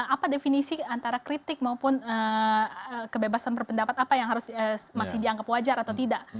apa definisi antara kritik maupun kebebasan berpendapat apa yang harus masih dianggap wajar atau tidak